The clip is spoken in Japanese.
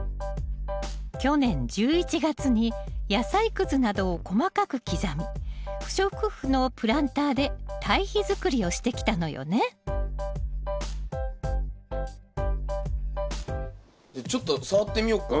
去年１１月に野菜くずなどを細かく刻み不織布のプランターで堆肥づくりをしてきたのよねじゃちょっと触ってみよっか。